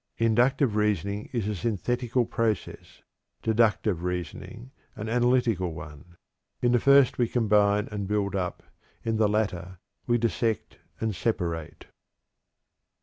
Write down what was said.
Inductive reasoning is a synthetical process; deductive reasoning, an analytical one. In the first we combine and build up, in the latter we dissect and separate.